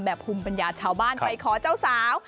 ภูมิปัญญาชาวบ้านไปขอเจ้าสาว